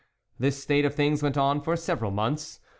This state of things went on for several months.